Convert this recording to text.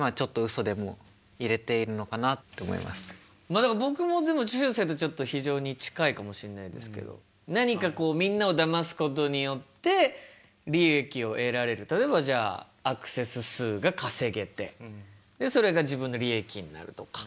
まあでも僕もしゅうせいとちょっと非常に近いかもしんないですけど何かこうみんなをだますことによって利益を得られる例えばじゃあアクセス数が稼げてでそれが自分の利益になるとか。